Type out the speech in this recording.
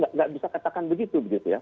tidak bisa katakan begitu